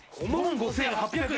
５万５８００円！